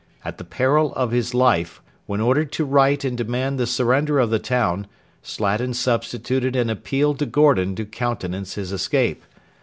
At the peril of his life, when ordered to write and demand the surrender of the town, Slatin substituted an appeal to Gordon to countenance his escape.